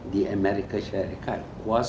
di amerika syarikat